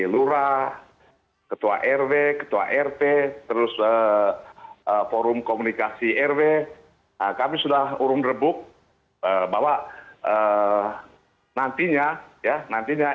lurah ketua rw ketua rt terus forum komunikasi rw kami sudah urung rebuk bahwa nantinya ya nantinya